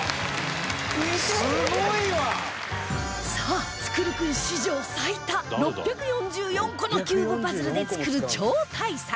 さあ創君史上最多６４４個のキューブパズルで作る超大作